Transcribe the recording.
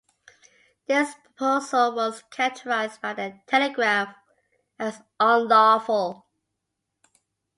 This proposal was characterised by "The Telegraph" as unlawful.